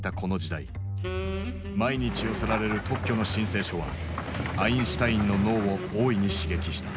毎日寄せられる特許の申請書はアインシュタインの脳を大いに刺激した。